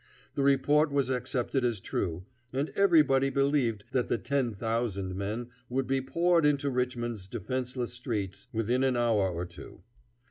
The report was accepted as true, and everybody believed that the ten thousand men would be poured into Richmond's defenseless streets within an hour or two.